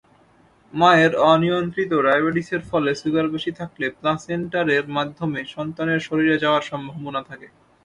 মায়ের অনিয়ন্ত্রিত ডায়াবেটিসের ফলে সুগার বেশি থাকলে প্লাসেন্টারের মাধ্যমে সন্তানের শরীরে যাওয়ার সম্ভাবনা থাকে।